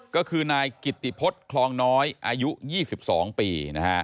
ก็คือนายกิตติพฤษคลองน้อยอายุ๒๒ปี